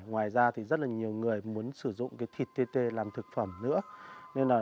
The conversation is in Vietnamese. ngoài ra thì rất là nhiều người muốn sử dụng cái thịt tê tê làm thực phẩm nữa